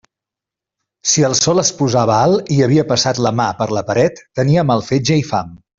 Si el sol es posava alt, i havia passat la mà per la paret, tenia mal fetge i fam.